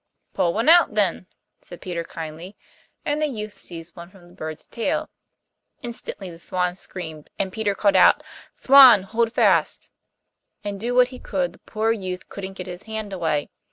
'Pull one out then,' said Peter kindly, and the youth seized one from the bird's tail; instantly the swan screamed, and Peter called out, 'Swan, hold fast,' and do what he could the poor youth couldn't get his hand away.